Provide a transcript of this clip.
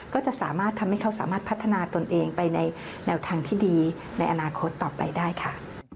ก็จะสามารถทำให้เขาสามารถพัฒนาตนเองไปในแนวทางที่ดีในอนาคตต่อไปได้ค่ะ